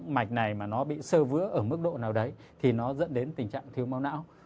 mạch này mà nó bị sơ vữa ở mức độ nào đấy thì nó dẫn đến tình trạng thiếu máu não